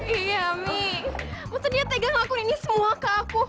iya mi maksudnya tegang aku ini semua kak